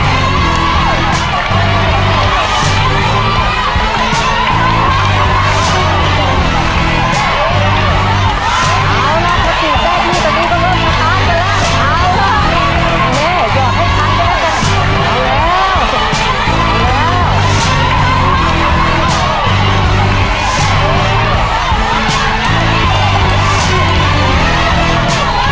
เอาล่ะปกติเย็บนี้ตอนนี้ก็เริ่มทำตามกันแล้วเอาล่ะ